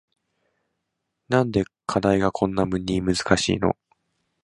なんで課題がこんなに難しいの